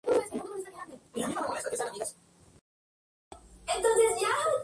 Abarca terrenos de los municipios de Zahara de la Sierra y El Gastor.